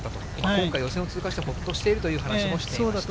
今回、予選を通過して、ほっとしているという話もしていました。